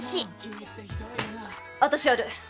私やる！